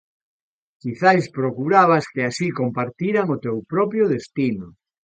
¿Quizais procurabas que así compartiran o teu propio destino?